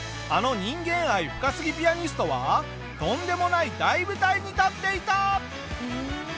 あの人間愛深すぎピアニストはとんでもない大舞台に立っていた！